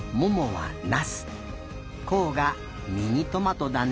こうがミニトマトだね。